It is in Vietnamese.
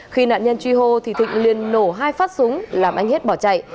khi nạn nhân truy hô thỉnh liền nổ hai phát súng làm anh hết bỏ chạy